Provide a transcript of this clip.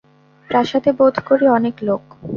প্রাসাদে, বােধ করি অনেক লােক।